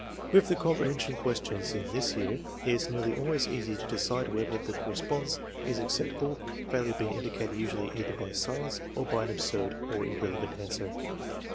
With the comprehension questions in this year it is nearly always easy to decide whether the response is ac ceptable, failure being indicated usually either by silence or by an absurd or irrelevant answer.